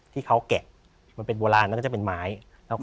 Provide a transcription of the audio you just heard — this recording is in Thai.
ที่แกะเยอะมันจะเป็นโบราณมาน้ำหมาก